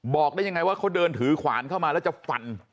บอกได้ยังไงว่าเขาเดินถือขวานเข้ามาแล้วจะฟัน